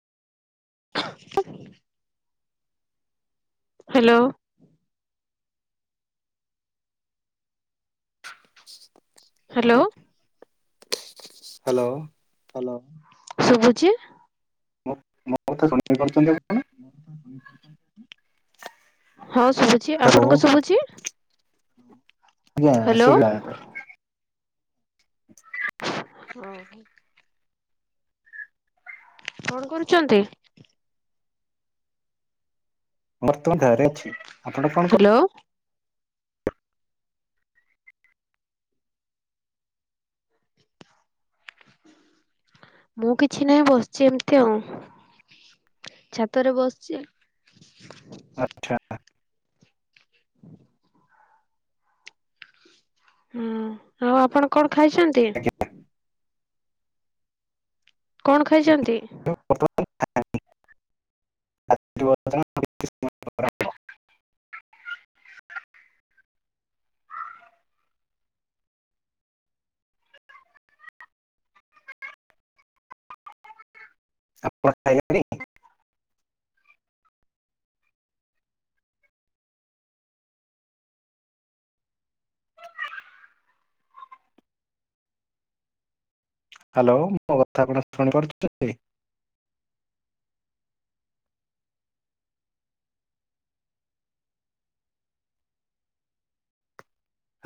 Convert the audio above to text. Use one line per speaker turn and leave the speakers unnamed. Hello. Hello.
Hello.
Hello ଶୁଭୁଛି?
ମୋ ମୋ କଥା ଶୁଣି ପାରୁଛନ୍ତି ଆପଣ?
ହଁ ଶୁଭୁଛି, ଆପଣଙ୍କୁ ଶୁଭୁଛି?
ଆଜ୍ଞା ଶୁଭିଲା ଏବେ।
ହଁ ହଁ। କଣ କରୁଛନ୍ତି?
ମୋର ତ ଘରେ ଅଛି। ଆପଣ କଣ କ
ମୁଁ କିଛି ନାହିଁ ବସିଛି ଏମିତି ଆଉ। ଛାତରେ ବସିଛି ଆ
ଆଚ୍ଛା।
ହୁଁ ଆଉ ଆପଣ କଣ୍ ଖାଇଛନ୍ତି? କଣ ଖାଇଛନ୍ତି?
[unintelligible] ଆପଣ ଖାଇଲେଣି? ହ୍ୟାଲୋ ମୋ କଥା ଆପଣ ଶୁଣିପାରୁଛନ୍ତି?